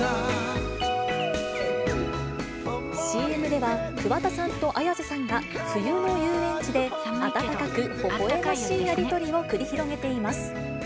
ＣＭでは、桑田さんと綾瀬さんが、冬の遊園地で温かく、ほほえましいやり取りを繰り広げています。